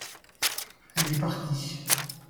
elles est partie.